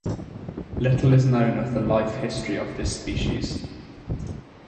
Little is known of the life history of this species.